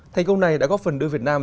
thành công này đã góp phần đưa việt nam